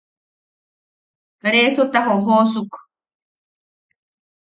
Resota jojoosuk.